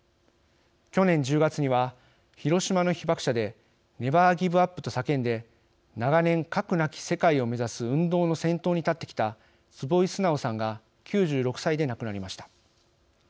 去年１０月には、広島の被爆者で「ネバーギブアップ」と叫んで長年、核なき世界を目指す運動の先頭に立ってきた坪井直さんが９６歳で亡くなりました。